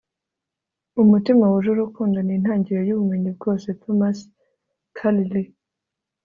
umutima wuje urukundo ni intangiriro yubumenyi bwose. - thomas carlyle